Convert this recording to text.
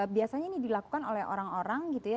biasanya ini dilakukan oleh orang orang gitu ya